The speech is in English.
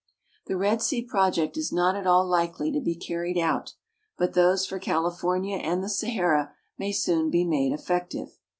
The Red Sea project is not at all likely to be carried out, but those for California and the Sahara may soon be made effective.